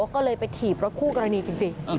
ก็เลยไปถีบรถคู่กรณีจริง